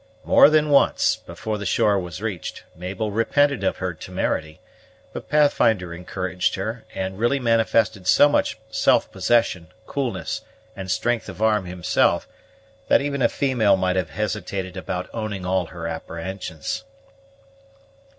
More than once, before the shore was reached, Mabel repented of her temerity, but Pathfinder encouraged her, and really manifested so much self possession, coolness, and strength of arm himself, that even a female might have hesitated about owning all her apprehensions.